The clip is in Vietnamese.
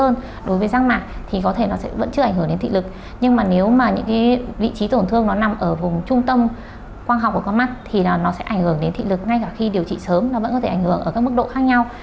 nó vẫn có thể ảnh hưởng ở các mức độ khác nhau